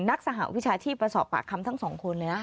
สหวิชาชีพมาสอบปากคำทั้งสองคนเลยนะ